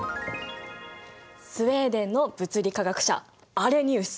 スウェーデンの物理化学者アレニウス。